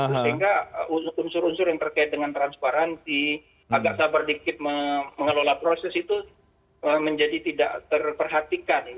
sehingga unsur unsur yang terkait dengan transparansi agak sabar dikit mengelola proses itu menjadi tidak terperhatikan